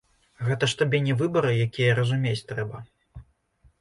Гэта ж табе не выбары якія, разумець трэба.